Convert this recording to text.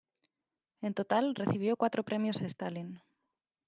En total, recibió cuatro premios Stalin.